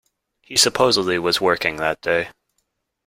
He supposedly was working that day.